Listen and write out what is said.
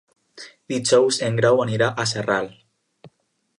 Dijous en Grau anirà a Sarral.